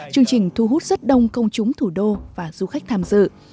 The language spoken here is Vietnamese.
chương trình thu hút rất đông công chúng thủ đô và du khách tham dự